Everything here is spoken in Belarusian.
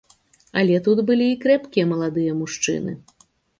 Але тут былі і крэпкія маладыя мужчыны.